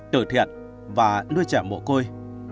tử thiện và nuôi trẻ mộ côi